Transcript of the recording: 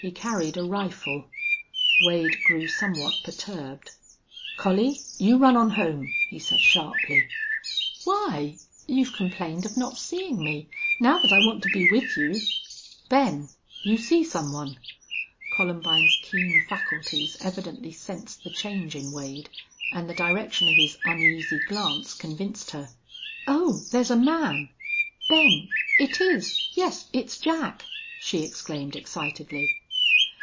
He carried a rifle. Wade grew somewhat perturbed. "Collie, you run on home," he said, sharply. "Why? You've complained of not seeing me. Now that I want to be with you ... Ben, you see some one!" Columbine's keen faculties evidently sensed the change in Wade, and the direction of his uneasy glance convinced her. "Oh, there's a man!... Ben, it is yes, it's Jack," she exclaimed, excitedly.